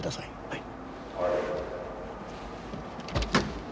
はい。